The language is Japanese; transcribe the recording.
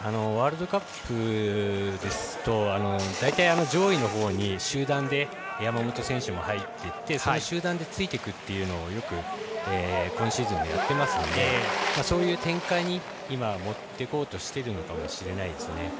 ワールドカップですと大体、上位のほうに集団で山本選手も入っていってその集団でついていくというのをよく今シーズン、やってますのでそういう展開に持っていこうとしてるのかもしれないですね。